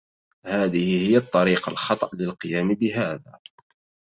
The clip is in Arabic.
هذه هي الطريقة الخطأ للقيام بهذا.